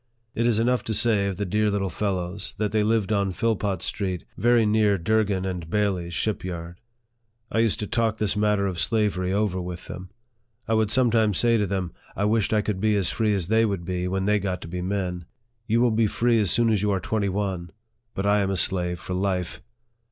It is enough to say of the dear little fellows, that they lived on Philpot Street, very near Durgin and Bailey's ship yard. I used to talk this matter of slavery LIFE OP FREDERICK DOUGLASS. 39 over with them. I would sometimes say to them, I wished I could be as free as they would be when they got to be men. " You will be free as soon as you are twenty one, but I am a slave for life